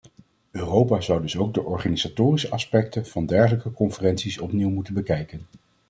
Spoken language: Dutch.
Europa zou dus ook de organisatorische aspecten van dergelijke conferenties opnieuw moeten bekijken.